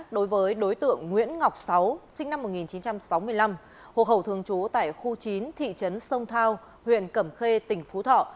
đối với đối tượng nguyễn ngọc sáu sinh năm một nghìn chín trăm sáu mươi năm hộ khẩu thường trú tại khu chín thị trấn sông thao huyện cẩm khê tỉnh phú thọ